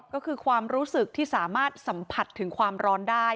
ก็คือความรู้สึกที่สามารถสัมผัสถึงความร้อนได้